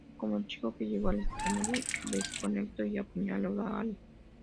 Como el chico que llegó al extremo de descontento y apuñaló a Ari.